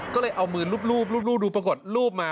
ก็เลยเอามือลุบดูประกดลูบมา